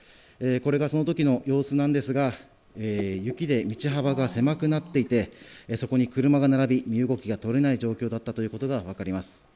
これがその時の様子なんですが雪で道幅が狭くなっていてそこに車が並び身動きが取れない状況だったことが分かります。